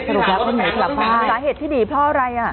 สาเหตุที่ดีเพราะอะไรอะ